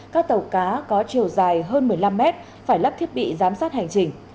các tàu cá có chiều dài hơn một mươi năm mét phải lắp thiết bị giám sát hành trình